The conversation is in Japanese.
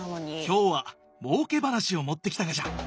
今日はもうけ話を持ってきたがじゃ。